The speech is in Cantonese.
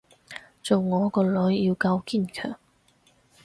做我個女要夠堅強